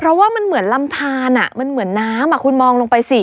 เพราะว่ามันเหมือนลำทานมันเหมือนน้ำคุณมองลงไปสิ